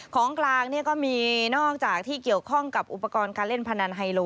ของกลางก็มีนอกจากที่เกี่ยวข้องกับอุปกรณ์การเล่นพนันไฮโล